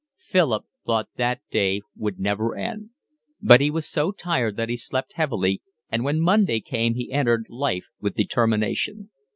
Philip thought that day would never end. But he was so tired that he slept heavily, and when Monday came he entered upon life with determination.